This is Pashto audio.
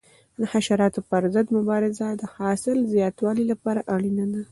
د حشراتو پر ضد مبارزه د حاصل زیاتوالي لپاره اړینه ده.